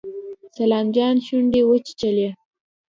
سلام جان شونډې وچيچلې.